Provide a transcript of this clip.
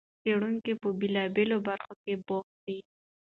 څېړونکي په بېلابېلو برخو کې بوخت دي.